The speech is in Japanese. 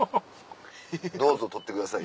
どうぞ撮ってください